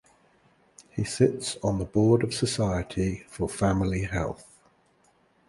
He sits on the board of Society for Family Health.